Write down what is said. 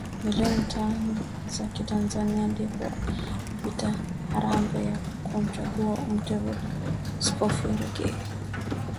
milioni tano za kitanzania ndipo ikapita harambe ya kumchangia Mtaalamu Scofield Ruge